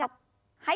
はい。